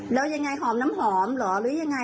แล้วยังไงหอมน้ำหอมเหรอหรือยังไง